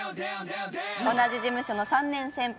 同じ事務所の３年先輩